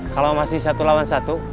kalau masih satu lawan satu